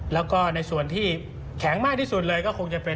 แล้วก็ในส่วนที่แข็งมากที่สุดเลยก็คงจะเป็น